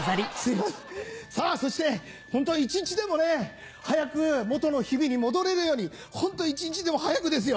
さぁそしてホント一日でも早く元の日々に戻れるようにホント一日でも早くですよ。